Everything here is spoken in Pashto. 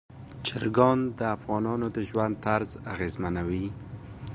چرګان د افغانانو د ژوند طرز اغېزمنوي.